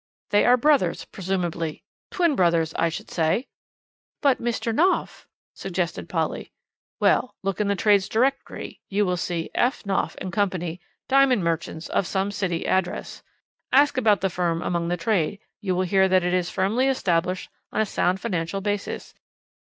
"They are brothers, presumably twin brothers, I should say." "But Mr. Knopf " suggested Polly. "Well, look in the Trades' Directory; you will see F. Knopf & Co., diamond merchants, of some City address. Ask about the firm among the trade; you will hear that it is firmly established on a sound financial basis.